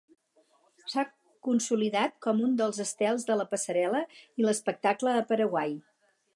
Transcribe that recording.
S'ha consolidat com un dels estels de la passarel·la i l'espectacle a Paraguai.